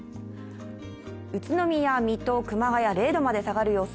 宇都宮、水戸、熊谷は０度まで下がる予想。